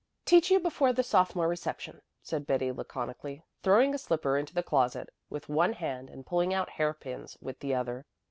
"Teach you before the sophomore reception," said Betty laconically, throwing a slipper into the closet with one hand and pulling out hairpins with the other.